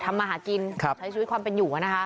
มาหากินใช้ชีวิตความเป็นอยู่